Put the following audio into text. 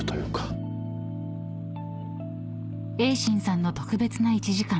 ［栄信さんの特別な１時間］